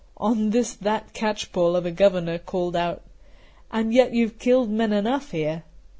On this that catchpole of a Governor called out: "And yet you have killed men enough here!"